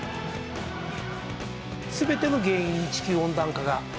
全ての原因に地球温暖化があると。